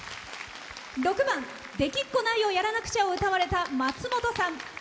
６番「できっこないをやらなくちゃ」の、まつもとさん。